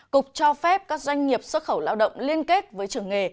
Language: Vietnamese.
cục cho phép các doanh nghiệp xuất khẩu lao động liên kết với trường nghề